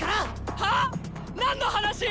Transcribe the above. はぁ⁉何の話⁉